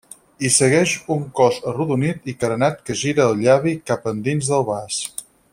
Hi segueix un cos arrodonit i carenat que gira el llavi cap endins del vas.